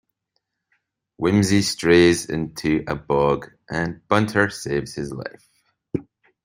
Wimsey strays into a bog, and Bunter saves his life.